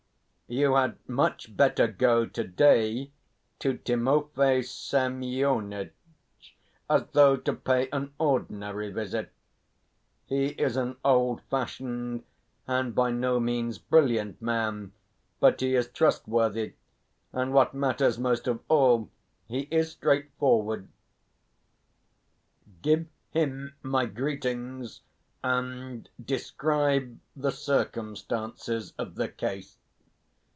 You had much better go to day to Timofey Semyonitch, as though to pay an ordinary visit; he is an old fashioned and by no means brilliant man, but he is trustworthy, and what matters most of all, he is straightforward. Give him my greetings and describe the circumstances of the case.